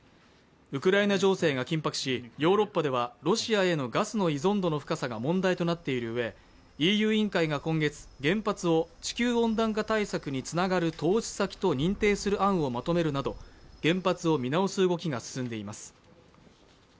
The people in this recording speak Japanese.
ウクライナ情勢が緊迫し、ヨーロッパではロシアへのガスの依存度の深さが問題となっているうえ、ＥＵ委員会が今月、原発を地球温暖化対策につながる投資先と認定する案をまとめるなど原発を見直す動きが進んでいます。